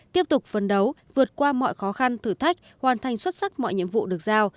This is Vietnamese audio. tiếp tục phấn đấu vượt qua mọi khó khăn thử thách hoàn thành xuất sắc mọi nhiệm vụ được giao